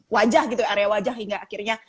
wajah gitu area wajah hingga akhirnya